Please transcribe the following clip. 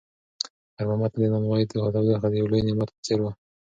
خیر محمد ته د نانوایۍ تودوخه د یو لوی نعمت په څېر وه.